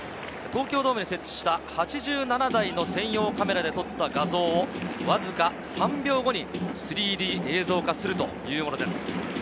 東京ドームに設置した８７台の専用カメラで撮った画像をわずか３秒後に３Ｄ映像化するというものです。